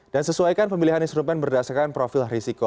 dan sesuaikan pemilihan instrumen berdasarkan profil risiko